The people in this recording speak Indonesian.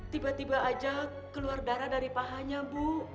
tiba tiba aja keluar darah dari pahanya bu